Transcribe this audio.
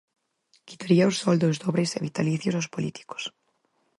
Quitaría os soldos dobres e vitalicios aos políticos.